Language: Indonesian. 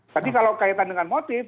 tapi kalau kaitan dengan motif